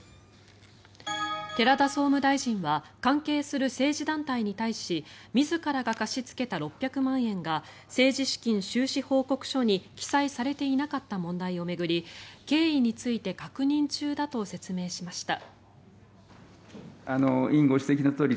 寺田総務大臣は関係する政治団体に対し自らが貸し付けた６００万円が政治資金収支報告書に記載されていなかった問題を巡り経緯について確認中だと説明しました。